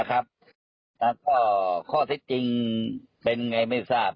ก็ข้อเท็จจริงเป็นไงไม่ทราบ